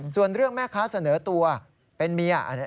ส่วนเรื่องแม่ค้าเสนอตัวเป็นเมีย